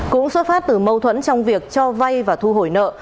cũng xuất phát từ mâu thuẫn trong việc cho vay và thu hồi nợ